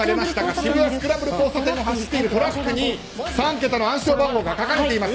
渋谷・スクランブル交差点を走っているトラックに３桁の暗証番号が書かれています。